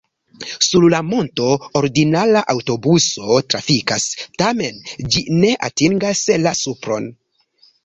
Sur la monto ordinara aŭtobuso trafikas, tamen ĝi ne atingas la supron.